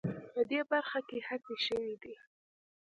په دې برخه کې هڅې شوې دي